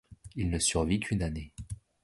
Il ne survit qu'une année.